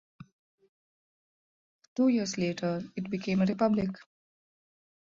Two years later it became a republic.